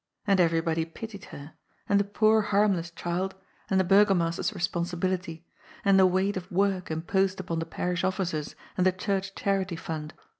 And everybody pitied her, and the poor harmless child, and the Burgomaster's responsibility, and the weight of work imposed upon the parish officers and the church charity fund.